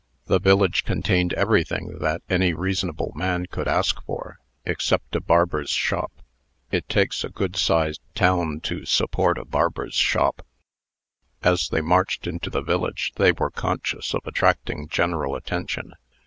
The village contained everything that any reasonable man could ask for, except a barber's shop. It takes a good sized town to support a barber's shop. As they marched into the village, they were conscious of attracting general attention.